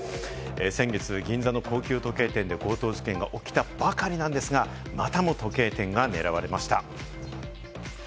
先月、銀座の高級時計店で強盗事件が起きたばかりなんですが、またも時計店が狙われました。